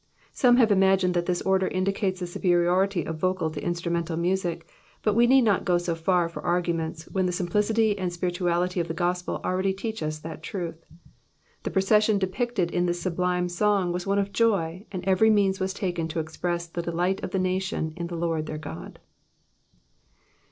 '''' Some have imagined that this order indicates the superiority of vocal to instrumental music ; but we need not go so far for arguments, when the simplicity and spirituality of the gospel alre^y teach us that truth. The procession depicted in this sublime song wus one of joy, and every means was taken to express the delight of the nation in the Lord their God.